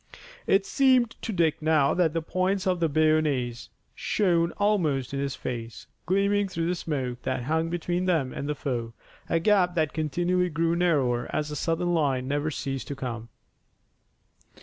It seemed to Dick now that the points of the bayonets shone almost in his face, gleaming through the smoke that hung between them and the foe, a gap that continually grew narrower as the Southern line never ceased to come.